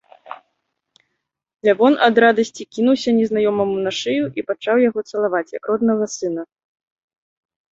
Лявон ад радасці кінуўся незнаёмаму на шыю і пачаў яго цалаваць, як роднага сына.